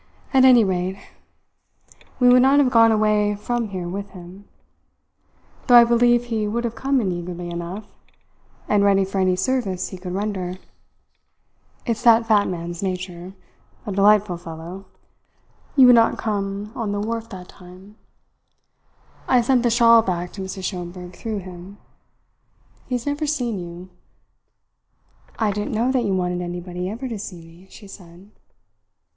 "At any rate, we would not have gone away from here with him; though I believe he would have come in eagerly enough, and ready for any service he could render. It's that fat man's nature a delightful fellow. You would not come on the wharf that time I sent the shawl back to Mrs. Schomberg through him. He has never seen you." "I didn't know that you wanted anybody ever to see me," she said.